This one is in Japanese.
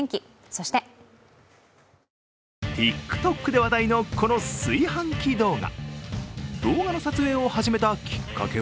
そしてＴｉｋＴｏｋで話題の炊飯器動画。